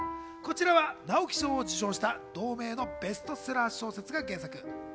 直木賞受賞した、同名のベストセラー小説が原作。